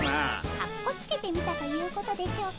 かっこつけてみたということでしょうか。